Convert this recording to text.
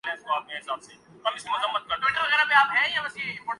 مجھے لگتا ہے کہ یہ چپ کا روزہ اسی وقت ختم ہو گا۔